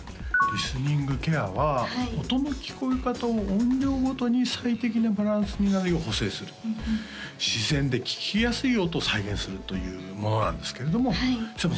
リスニングケアは音の聞こえ方を音量ごとに最適なバランスになるよう補正する自然で聴きやすい音を再現するというものなんですけれども須山さん